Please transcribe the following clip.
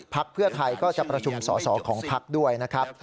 เพื่อไทยก็จะประชุมสอสอของพักด้วยนะครับ